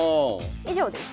以上です。